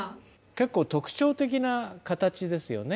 結構特徴的な形ですよね